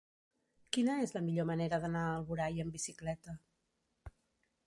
Quina és la millor manera d'anar a Alboraia amb bicicleta?